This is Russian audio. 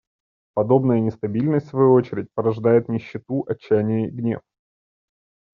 Подобная нестабильность, в свою очередь, порождает нищету, отчаяние и гнев.